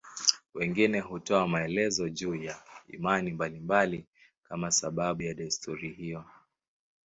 Wengine hutoa maelezo juu ya imani mbalimbali kama sababu ya desturi hiyo.